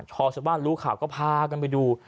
พอฉันว่าลูกข่าวก็พากันไปดู